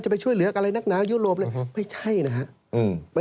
จะไปช่วยเหลือกับอะไรนักหนาวยุโรปไม่ใช่นะครับ